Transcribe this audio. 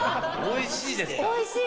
おいしいです